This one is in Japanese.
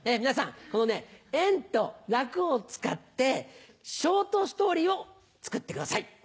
皆さんこの「円」と「楽」を使ってショートストーリーを作ってください。